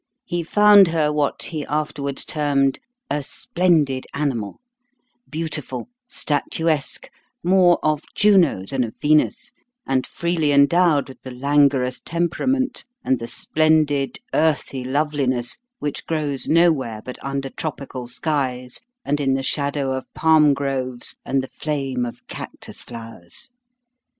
He found her what he afterwards termed "a splendid animal," beautiful, statuesque, more of Juno than of Venus, and freely endowed with the languorous temperament and the splendid earthy loveliness which grows nowhere but under tropical skies and in the shadow of palm groves and the flame of cactus flowers.